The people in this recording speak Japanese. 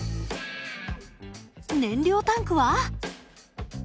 燃料タンクは？